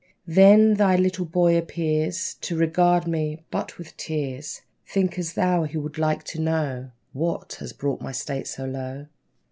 Then, thy little boy appears To regard me but with tears. Think'st thou he would like to know What has brought my state so low?